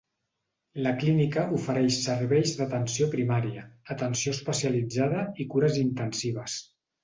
La clínica ofereix serveis d'atenció primària, atenció especialitzada i cures intensives.